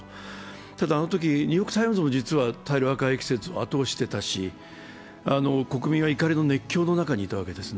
ただ、あのしき、「ニューヨーク・タイムズ」も大量破壊兵器説を後押ししていたし、国民は怒りの熱狂の中にいたわけです。